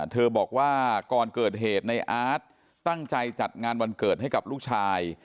บอกว่าก่อนเกิดเหตุในอาร์ตตั้งใจจัดงานวันเกิดให้กับลูกชาย